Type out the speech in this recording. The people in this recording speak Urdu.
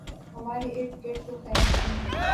ہمارے اردگرد تو خیر سے